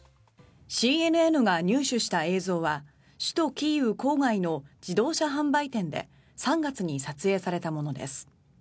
ＣＮＮが入手した映像は首都キーウ郊外の自動車販売店で３月に撮影されたものです。